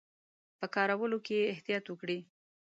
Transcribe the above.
په کارولو کې یې احتیاط وکړي.